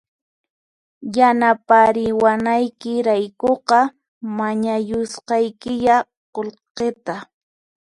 Yanapariwanaykiraykuqa mañayusqaykiya qullqita